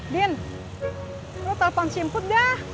din lo telpon sipur dah